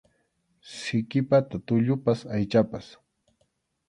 Siki pata tullupas aychapas.